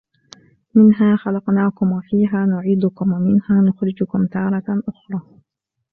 مِنْهَا خَلَقْنَاكُمْ وَفِيهَا نُعِيدُكُمْ وَمِنْهَا نُخْرِجُكُمْ تَارَةً أُخْرَى